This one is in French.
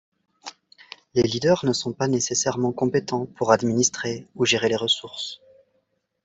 Les leaders ne sont pas nécessairement compétent pour administrer ou gérer les ressources.